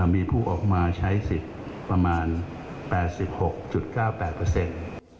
มีผู้ออกมาใช้สิทธิ์ประมาณ๘๖๙๘เปอร์เซ็นต์